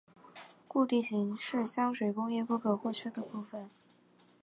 固定剂是香水工业不可或缺的部份。